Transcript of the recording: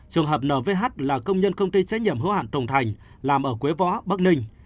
trường hợp nvh là công nhân công ty trách nhiệm hữu hạn tùng thành làm ở quế võ bắc ninh